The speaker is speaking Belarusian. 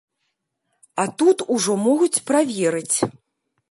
А тут ужо могуць праверыць.